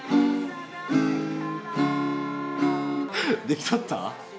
できとった？